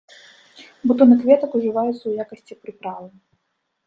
Бутоны кветак ужываюцца ў якасці прыправы.